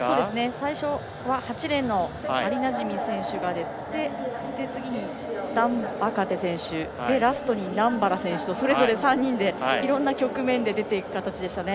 最初、８レーンアリナジミ選手が出て次にダンバカテ選手ラストにナンバラ選手とそれぞれ３人でいろんな局面で出る形でした。